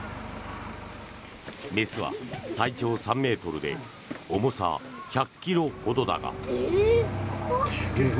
雌は体長３ｍで重さ１００ｋｇほどだが。